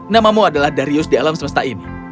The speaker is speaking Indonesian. namamu adalah darius di alam semesta ini